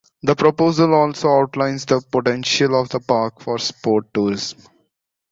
The proposal also outlines the potential of the park for sport tourism.